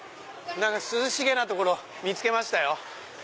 涼しげな所見つけましたよ。